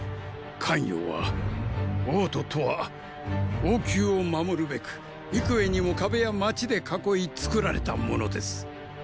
咸陽は王都とは王宮を守るべく幾重にも壁や街で囲い作られたものです。